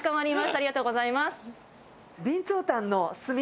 ありがとうございます。